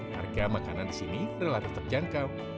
harga makanan di sini relatif terjangkau